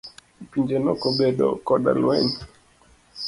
Pinje nokobedo koda lweny.